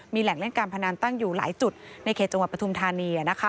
มีแหล่งเล่นการพนันตั้งอยู่หลายจุดในเขตจังหวัดปทุมธานี